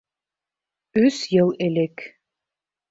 Өс йыл элек...